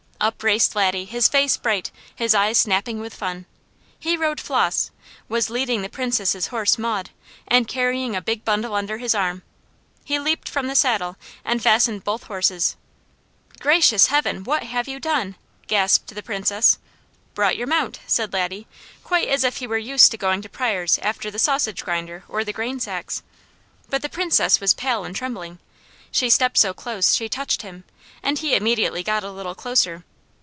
Up raced Laddie, his face bright, his eyes snapping with fun. He rode Flos, was leading the Princess' horse Maud, and carrying a big bundle under his arm. He leaped from the saddle and fastened both horses. "Gracious Heaven! What have you done?" gasped the Princess. "Brought your mount," said Laddie, quite as if he were used to going to Pryors' after the sausage grinder or the grain sacks. But the Princess was pale and trembling. She stepped so close she touched him, and he immediately got a little closer.